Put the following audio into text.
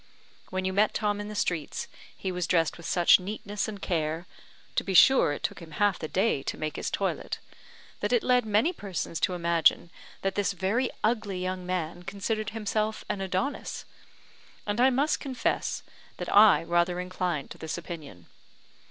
When you met Tom in the streets, he was dressed with such neatness and care (to be sure it took him half the day to make his toilet), that it led many persons to imagine that this very ugly young man considered himself an Adonis; and I must confess that I rather inclined to this opinion.